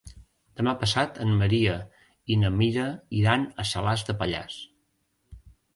Demà passat en Maria i na Mira iran a Salàs de Pallars.